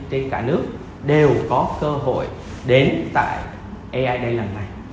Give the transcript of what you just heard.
trên cả nước đều có cơ hội đến tại ai đây lần này